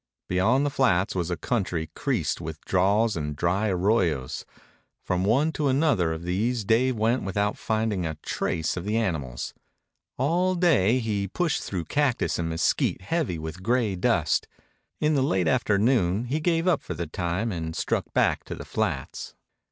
Beyond the flats was a country creased with draws and dry arroyos. From one to another of these Dave went without finding a trace of the animals. All day he pushed through cactus and mesquite heavy with gray dust. In the late afternoon he gave up for the time and struck back to the flats.